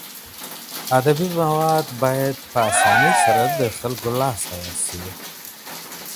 ادبي مواد باید په اسانۍ سره د خلکو لاس ته ورشي.